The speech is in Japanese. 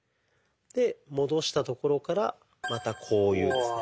で戻したところからまたこういうですね。